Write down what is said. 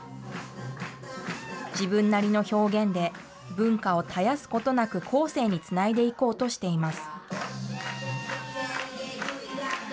自分なりの表現で、文化を絶やすことなく後世につないでいこうとしています。